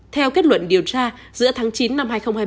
theo kết luận điều tra giữa tháng chín năm hai nghìn hai mươi